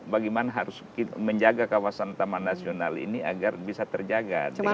bagaimana harus menjaga kawasan taman nasional ini agar bisa terjaga dengan baik